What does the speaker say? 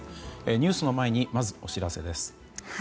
ニュースの前にまず、お知らせです。